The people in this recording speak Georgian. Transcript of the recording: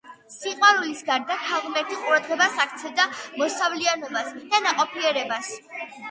სიყვარულის გარდა ქალღმერთი ყურადღებას აქცევდა მოსავლიანობას და ნაყოფიერებას.